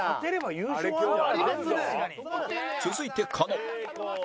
続いて狩野